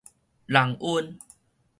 人瘟